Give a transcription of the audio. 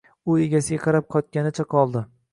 U egasiga qarab qotganicha qoldi.